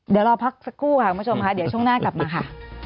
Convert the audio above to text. เดี๋ยวเราพักซะคู่ค่ะกลับมาชมละเดี๋ยวช่วงหน้ากลับมาค่ะ